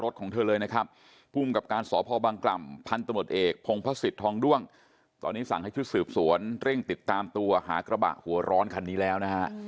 ต้องหากระบะหัวร้อนคันนี้แล้วนะฮะ